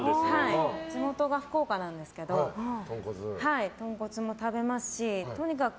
地元が福岡なんですけどとんこつも食べますしとにかく